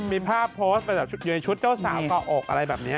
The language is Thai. มีภาพโพสต์ไปแบบอยู่ในชุดเจ้าสาวก่ออกอะไรแบบนี้